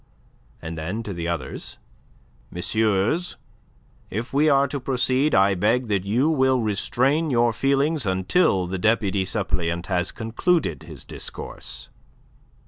And then to the others: "Messieurs, if we are to proceed, I beg that you will restrain your feelings until the deputy suppleant has concluded his discourse."